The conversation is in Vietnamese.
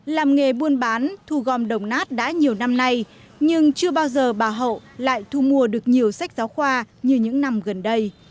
làm nghề buôn bán thu gom đồng nát đã nhiều năm nay nhưng chưa bao giờ bà hậu lại thu mua được nhiều sách giáo khoa như những năm gần đây